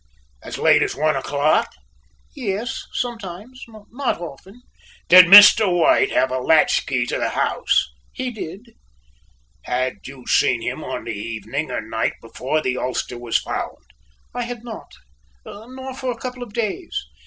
"As late as one o'clock?" "Yes, sometimes, not often." "Did Mr. White have a latch key to the house?" "He did." "Had you seen him on the evening or night before the ulster was found?" "I had not, nor for a couple of days."